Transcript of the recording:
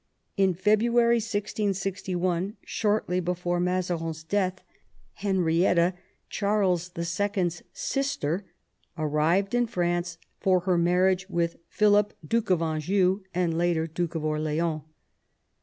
In February 1661, shortly before Mazarin's death, Henrietta, Charles II. 's sister, arrived in France for her marriage with Philip, Duke of Anjou, and later Duke of Orleans.